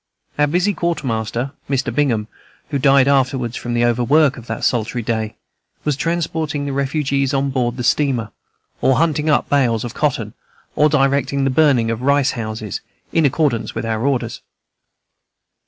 Our busy Quartermaster, Mr. Bingham who died afterwards from the overwork of that sultry day was transporting the refugees on board the steamer, or hunting up bales of cotton, or directing the burning of rice houses, in accordance with our orders.